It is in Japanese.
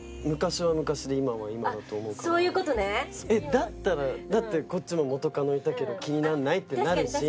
だったらだってこっちも元カノいたけど気にならない？ってなるし。